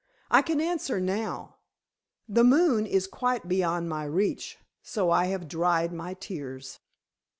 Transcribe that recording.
I can answer now. The moon is quite beyond my reach, so I have dried my tears."